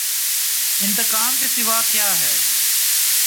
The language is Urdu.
انتقام کے سوا کیا ہے۔